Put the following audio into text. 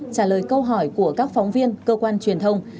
trả lời câu hỏi của các phóng viên cơ quan truyền thông